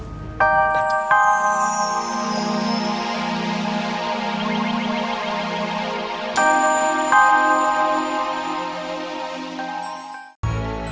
jangan lupa like share dan subscribe ya